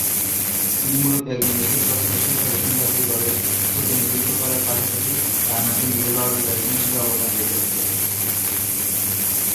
তিনি মূলত একজন উইকেট রক্ষক হিসেবে পাকিস্তান জাতীয় দলে প্রতিনিধিত্ব করার পাশাপাশি ডানহাতি মিডল অর্ডার ব্যাটসম্যান হিসেবে অবদান রেখে থাকেন।